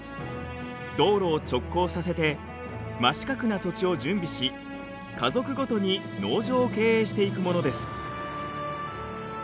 道路を直交させて真四角な土地を準備し家族ごとに農場を経営していくものです。